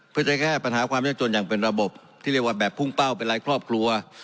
เพื่อจะแก้ปัญหาความยากจนอย่างเป็นระบบที่เรียกว่าแบบพุ่งเป้าเป็นรายครอบครัว